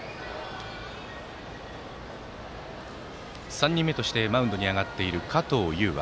３人目としてマウンドに上がっている加藤悠羽。